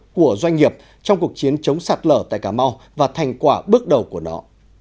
của doanh nghiệp trong cuộc chiến chống sạt lở tại cà mau và thành quả bước đầu của nó